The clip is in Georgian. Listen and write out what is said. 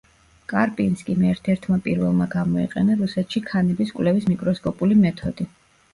კარპინსკიმ ერთ-ერთმა პირველმა გამოიყენა რუსეთში ქანების კვლევის მიკროსკოპული მეთოდი.